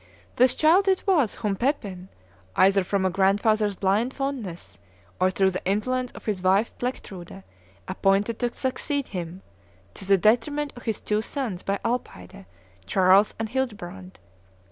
This child it was whom Pepin, either from a grandfather's blind fondness, or through the influence of his wife Plectrude, appointed to succeed him, to the detriment of his two sons by Alpaide, Charles and Childebrand.